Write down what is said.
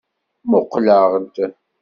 Muqleɣ-d!